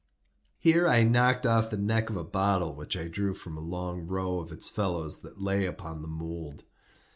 Here I knocked off the neck of a bottle which I drew from a long row of its fellows that lay upon the mould.